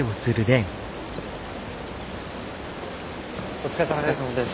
お疲れさまです。